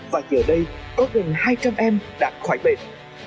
và giờ đây có gần hai trăm linh em đã khỏi bệnh